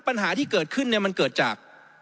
ปัญหาที่เกิดขึ้นเนี่ยมันเกิดจาก